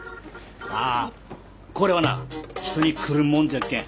あっこれはな人にくるっもんじゃっけん。